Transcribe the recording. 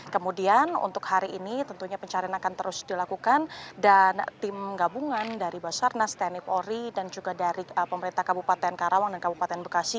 kemudian untuk hari ini tentunya pencarian akan terus dilakukan dan tim gabungan dari basarnas tni polri dan juga dari pemerintah kabupaten karawang dan kabupaten bekasi